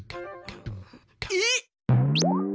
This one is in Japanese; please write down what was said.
えっ！？